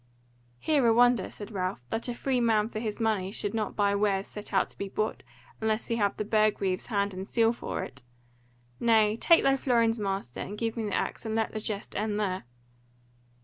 "Hear a wonder," said Ralph, "that a free man for his money shall not buy wares set out to be bought, unless he have the Burg Reeve's hand and seal for it! Nay, take thy florins, master, and give me the axe and let the jest end there."